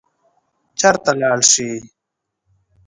چېرته لاړ شي.